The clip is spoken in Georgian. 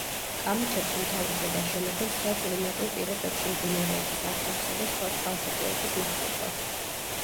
კამეჩებს უმთავრესად აშენებენ ცხელ კლიმატურ პირობებში, მდინარეების, არხებისა და სხვა წყალსატევების მახლობლად.